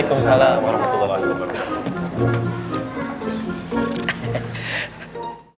assalamualaikum warahmatullahi wabarakatuh